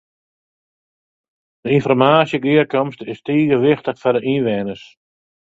De ynformaasjegearkomste is tige wichtich foar de ynwenners.